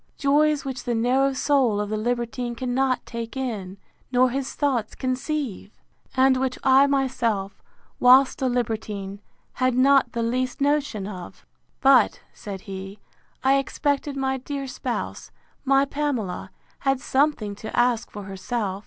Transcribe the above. joys which the narrow soul of the libertine cannot take in, nor his thoughts conceive! And which I myself, whilst a libertine, had not the least notion of! But, said he, I expected my dear spouse, my Pamela, had something to ask for herself.